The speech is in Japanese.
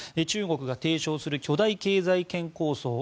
中国が提唱する巨大経済圏構想